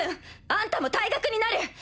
あんたも退学になる。